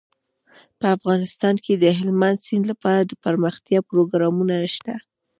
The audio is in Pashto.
په افغانستان کې د هلمند سیند لپاره د پرمختیا پروګرامونه شته.